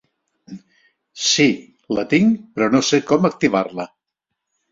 Sí, la tinc però no sé com activar-la.